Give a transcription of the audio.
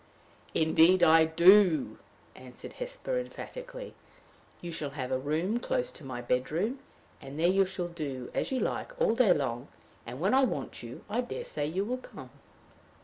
"Indeed, I do," answered Hesper, emphatically. "You shall have a room close to my bedroom, and there you shall do as you like all day long; and, when I want you, I dare say you will come."